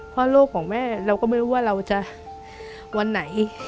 เพราะโลกของแม่เราก็ไม่รู้ว่าเราจะวันไหน